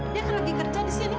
dia kan lagi kerja di sini